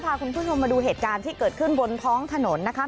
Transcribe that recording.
พาคุณผู้ชมมาดูเหตุการณ์ที่เกิดขึ้นบนท้องถนนนะคะ